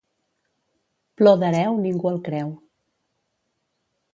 Plor d'hereu, ningú el creu.